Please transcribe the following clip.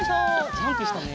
ジャンプしたね。